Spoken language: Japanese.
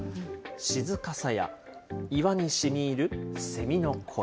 閑かさや岩にしみ入る蝉の声。